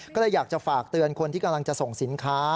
ก็เลยอยากจะฝากเตือนคนที่กำลังจะส่งสินค้า